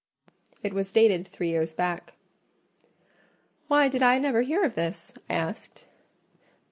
It was dated three years back. "Why did I never hear of this?" I asked.